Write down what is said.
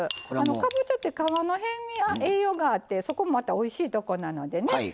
かぼちゃって皮の辺に栄養があってそこもまたおいしいとこなのでね